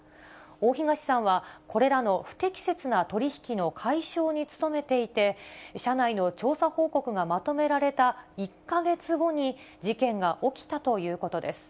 大東さんは、これらの不適切な取り引きの解消に努めていて、社内の調査報告がまとめられた１か月後に、事件が起きたということです。